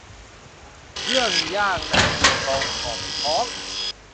เยื้องย่างนางยูงทอง ท่องท้อง